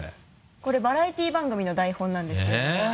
これバラエティー番組の台本なんですけども。